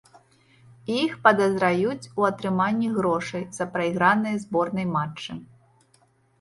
Іх падазраюць у атрыманні грошай за прайграныя зборнай матчы.